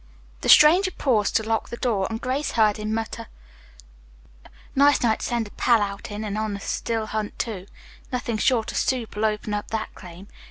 The stranger paused to lock the door, and Grace heard him mutter: "Nice night to send a pal out in, and on a still hunt, too. Nothing short of soup'll open up that claim.